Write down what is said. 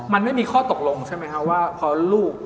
มันไม่มีข้อตกลงใช่มั้ยคะว่าพอลูก